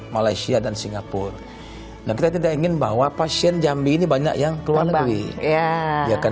malaysia dan singapura dan kita tidak ingin bahwa pasien jambi ini banyak yang keluar duit ya kan